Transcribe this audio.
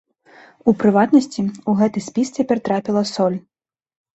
У прыватнасці, у гэты спіс цяпер трапіла соль.